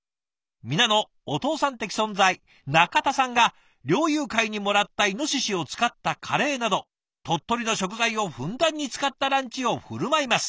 皆のお父さん的存在『中田さん』が猟友会にもらったイノシシを使ったカレーなど鳥取の食材をふんだんに使ったランチを振る舞います。